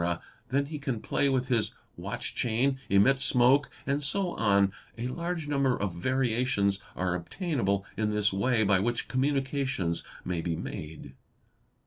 then he can play with his watch chain, emit smoke, and so on; a large number of variations are obtainable in this way by which communications may be made.